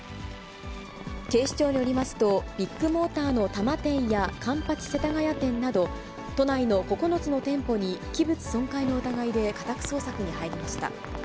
警視庁によりますと、ビッグモーターの多摩店や環八世田谷店など、都内の９つの店舗に器物損壊の疑いで家宅捜索に入りました。